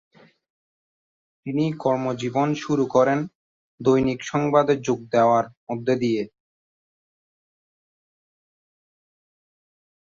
তিনি কর্ম জীবন শুরু করেন দৈনিক সংবাদে যোগ দেওয়ার মধ্য দিয়ে।